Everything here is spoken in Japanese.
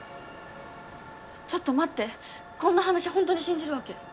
ちょっと待ってこんな話ホントに信じるわけ？